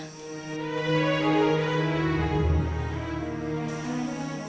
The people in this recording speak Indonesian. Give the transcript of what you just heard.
aku akan menjelaskan kamu